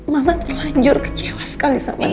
mama terlanjur kecewa sekali sama nino